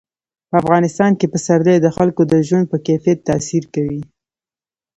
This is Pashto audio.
په افغانستان کې پسرلی د خلکو د ژوند په کیفیت تاثیر کوي.